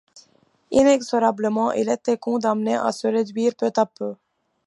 Inexorablement, il était condamné à se réduire peu à peu.